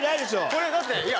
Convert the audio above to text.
これだっていや